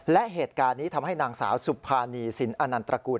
และเหตุการณ์นี้ทำให้นางสาวสุภานีสินอนันตระกูล